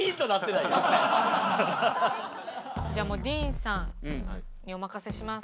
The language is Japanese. じゃあもうＤＥＡＮさんにお任せします。